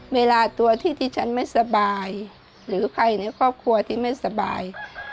เวลาตัวที่ที่ฉันไม่สบายหรือใครในครอบครัวที่ไม่สบาย